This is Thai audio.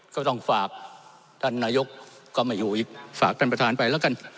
ก็ต้องฝากท่านนายกก็ไม่อยู่อีกฝากท่านประธานไปแล้วกัน